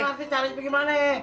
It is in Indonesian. ngerti cari gimana eh